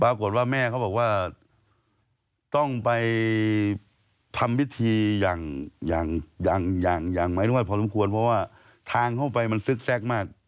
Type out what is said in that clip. ปรากฏว่าแม่เขาบอกว่าต้องไปทำวิธีอย่างอย่างอย่างอย่างอย่างไม่รู้ว่าพอสมควรเพราะว่าทางเข้าไปมันซึกแซกมาก